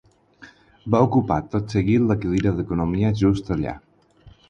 Va ocupar, tot seguit, la cadira d'economia just allà.